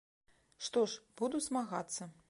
Што ж, буду змагацца.